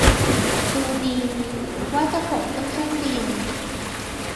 ดูดี ว่าจะขนขึ้นเครื่องบิน